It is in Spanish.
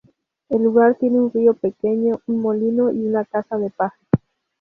El lugar tiene un río pequeño, un molino y una casa de paja.